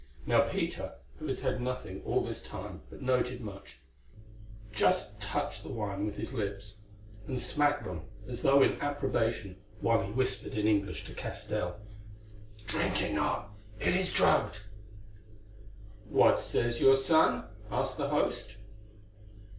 Now Peter, who had said nothing all this time, but noted much, just touched the wine with his lips, and smacked them as though in approbation while he whispered in English to Castell: "Drink it not; it is drugged!" "What says your son?" asked the host.